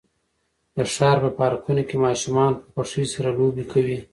د ښار په پارکونو کې ماشومان په خوښۍ سره لوبې کوي.